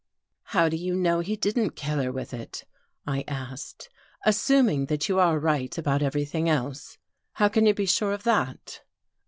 " How do you know he didn't kill her with it? " I asked. " Assuming that you are right about everything else, how can you be sure of that?